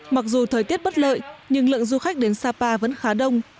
mặc dù thời tiết bất lợi nhưng lượng du khách đến sapa vẫn khá đông